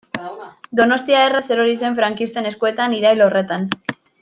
Donostia erraz erori zen frankisten eskuetan irail horretan.